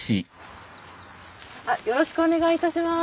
あっよろしくお願いいたします。